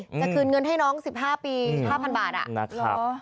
จะคืนเงินให้น้อง๑๕ปี๕๐๐บาท